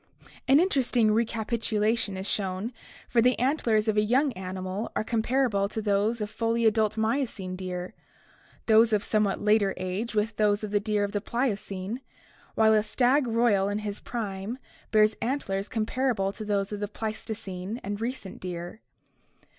An interesting recapitulation is shown, for the antlers of a young animal are comparable to those of fully adult Miocene deer, those of somewhat later age with those of the deer of the Pliocene, while a "stag royal" in his prime bears 1st year RECAPITULATION, RACIAL OLD AGE a*3 antlers comparable to those of the Pleistocene and Recent deer.